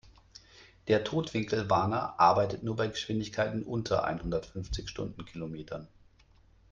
Der Totwinkelwarner arbeitet nur bei Geschwindigkeiten unter einhundertfünfzig Stundenkilometern.